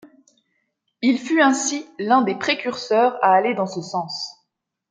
Il fut ainsi l'un des précurseurs à aller dans ce sens.